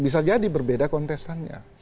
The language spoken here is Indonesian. terjadi berbeda kontestannya